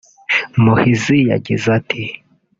Muhizi yagize ati